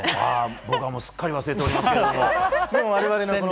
僕はすっかり忘れておりますけれども。